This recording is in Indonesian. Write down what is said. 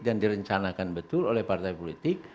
direncanakan betul oleh partai politik